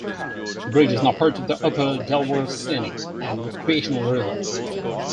The bridge is now part of the Upper Delaware Scenic and Recreational River.